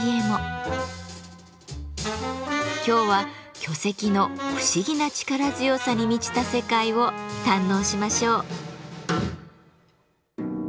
今日は巨石の不思議な力強さに満ちた世界を堪能しましょう。